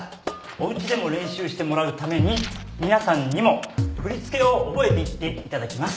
おうちでも練習してもらうために皆さんにも振り付けを覚えていっていただきます。